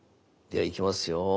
ではいきますよ。